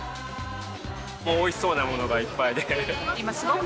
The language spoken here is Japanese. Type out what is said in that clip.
もうおいしそうなものがいっぱいで。